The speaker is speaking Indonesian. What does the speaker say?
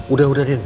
udah udah din